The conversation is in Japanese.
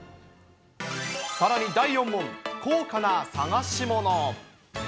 さらに第４問、高価な捜し物。